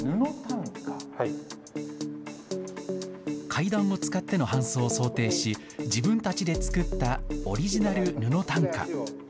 階段を使っての搬送を想定し自分たちで作ったオリジナル布担架。